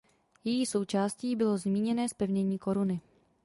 Její součástí bylo zmíněné zpevnění koruny.